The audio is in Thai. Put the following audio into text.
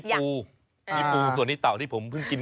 มีปูส่วนที่เปลี่ยนไม่พอ